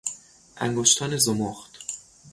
انگشتان زمخت